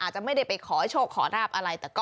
จะไม่ได้ไปขอโชคขอราบอะไร